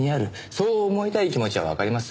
そう思いたい気持ちはわかります。